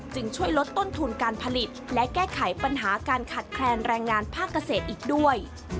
ช่วยลดต้นทุนการผลิตและแก้ไขปัญหาการขัดแคลนแรงงานภาคเกษตรอีกด้วย